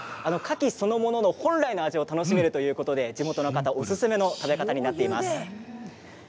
カキそのものの本来の味を楽しめるということで地元の方おすすめの食べ方になっています。